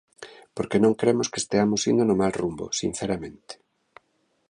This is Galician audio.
Porque non cremos que esteamos indo no mal rumbo, sinceramente.